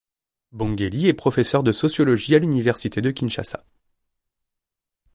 Bongeli est professeur de sociologie à l’Université de Kinshasa.